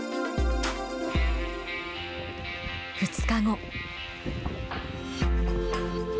２日後。